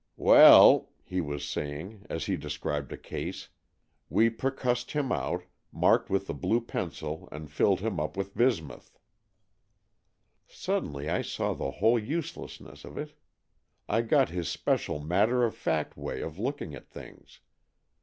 "Well," he was saying, as he described a case, "we percussed him out, marked with AN EXCHANGE OF SOULS 243 the blue pencil and filled him up with bismuth." Suddenly I saw the whole uselessness of it. I got his special matter of fact way of looking at things.